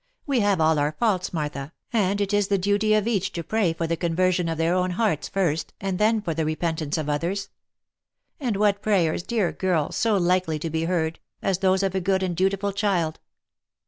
We have all our faults, Martha, and it is the duty of each to pray for the conversion of their own hearts first, and then for the repentance of others. And what prayers, dear girl, so likely to be heard, as those of a good and dutiful child?